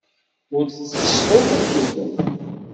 Ur d-tettessuḍ usuten.